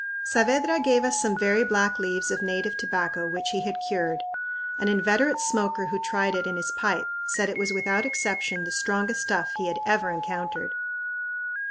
Saavedra gave us some very black leaves of native tobacco, which he had cured. An inveterate smoker who tried it in his pipe said it was without exception the strongest stuff he ever had encountered!